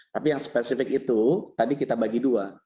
tapi yang spesifik itu tadi kita bagi dua